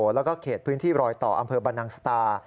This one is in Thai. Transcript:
แล้วก็เขตพื้นที่รอยต่ออำเภอบรรนังสตา